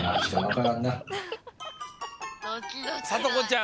さとこちゃん